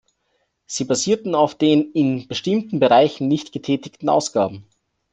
Sie basierten auf den in bestimmten Bereichen nicht getätigten Ausgaben.